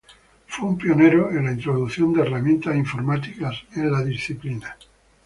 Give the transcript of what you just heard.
Fue un pionero en la introducción de herramientas informáticas en la disciplina.